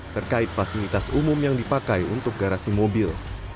terkait fasilitas umum yang dipakai untuk garasi mobil